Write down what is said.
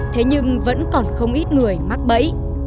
thế nhưng vẫn còn không ít người mắc bẫy